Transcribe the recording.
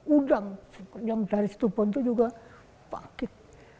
undang yang dari situ pondok juga pangkit